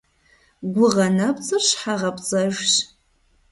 Гугъэ нэпцӀыр щхьэгъэпцӀэжщ.